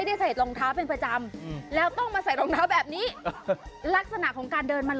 เคยใส่รองเท้าแล้วมีปัญหาแบบนี้ไหม